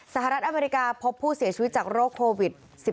สหรัฐอเมริกาพบผู้เสียชีวิตจากโรคโควิด๑๙